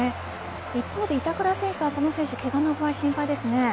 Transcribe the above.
一方で板倉選手と浅野選手のけがの具合が心配ですね。